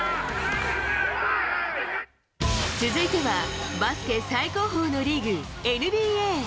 続いては、バスケ最高峰のリーグ、ＮＢＡ。